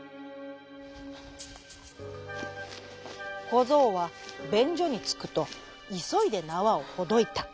こぞうはべんじょにつくといそいでなわをほどいた。